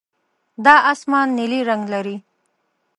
دا اسمان نیلي رنګ لري.